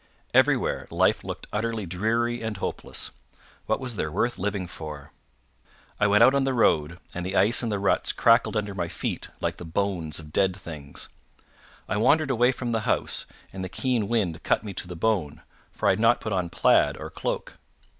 Everywhere life looked utterly dreary and hopeless. What was there worth living for? I went out on the road, and the ice in the ruts crackled under my feet like the bones of dead things. I wandered away from the house, and the keen wind cut me to the bone, for I had not put on plaid or cloak.